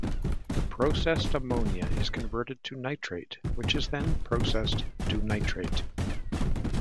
The processed ammonia is converted to nitrite, which is then processed to nitrate.